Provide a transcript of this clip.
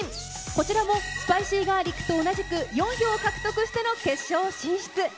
こちらもスパイシーガーリックと同じく４票獲得しての決勝進出。